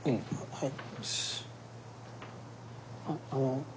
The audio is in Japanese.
はい。